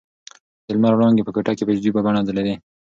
د لمر وړانګې په کوټه کې په عجیبه بڼه ځلېدې.